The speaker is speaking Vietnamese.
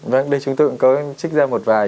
vâng đây chúng tôi cũng có trích ra một vài